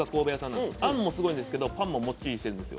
あんもすごいんですけど、パンももっちりしてるんですよ。